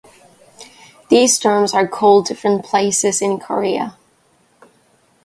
These terms are called different places in Korea.